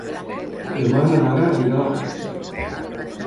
Demà na Nara anirà a la platja.